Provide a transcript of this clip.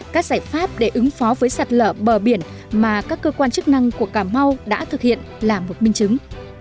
các giải pháp để ứng phó với sạt lở bờ biển mà các cơ quan chức năng của cà mau đã thực hiện là một minh chứng